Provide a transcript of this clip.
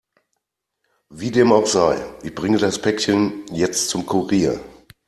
Wie dem auch sei, ich bringe das Päckchen jetzt zum Kurier.